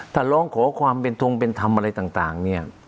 ถ้าร้องขอความเป็นธรรมอะไรต่าง